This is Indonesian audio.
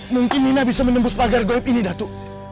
mungkin nina bisa menembus pagar goib ini datu